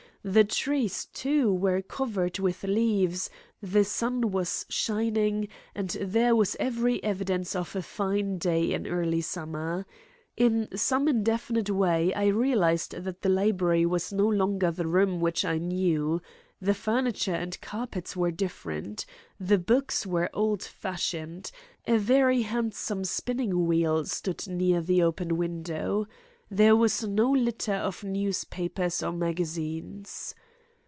The trees, too, were covered with leaves, the sun was shining, and there was every evidence of a fine day in early summer. In some indefinite way I realised that the library was no longer the room which I knew. The furniture and carpets were different. The books were old fashioned. A very handsome spinning wheel stood near the open window. There was no litter of newspapers or magazines.